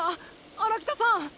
荒北さん。